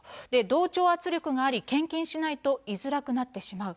同調圧力があり、献金しないと居づらくなってしまう。